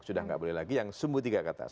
sudah nggak boleh lagi yang sumbu tiga ke atas